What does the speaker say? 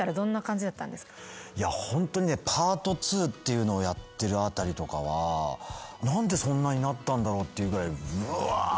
いやホントにねパート２をやってるあたりとかは何でそんなになったんだろうっていうぐらい。